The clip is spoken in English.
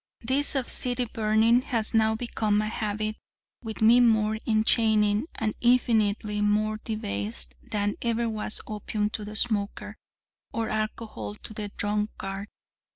This of city burning has now become a habit with me more enchaining and infinitely more debased than ever was opium to the smoker, or alcohol to the drunkard.